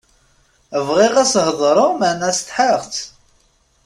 Bɣiɣ ad s-heḍṛeɣ meɛna setḥaɣ-tt.